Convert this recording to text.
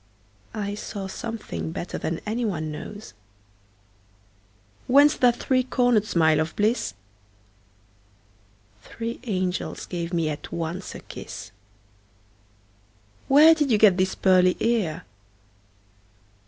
I saw something better than any one knows. Whence that three corner'd smile of bliss? Three angels gave me at once a kiss. Where did you get this pearly ear?